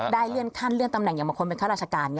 ได้เลื่อนขั้นเลื่อนตำแหน่งอย่างบางคนเป็นข้าราชการ